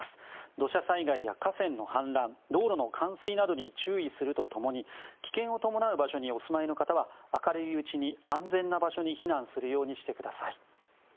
土砂災害や河川の氾濫道路の冠水などに注意すると共に危険を伴う場所にお住まいの方は明るいうちに安全な場所に避難するようにしてください。